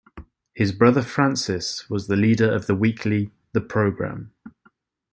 His brother Francis was the leader of the weekly "The Program".